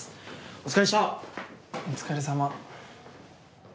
お疲れさま。